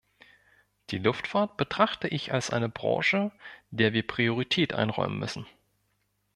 Die Luftfahrt betrachte ich als eine Branche, der wir Priorität einräumen müssen.